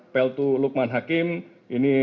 peltu lukman hakim ini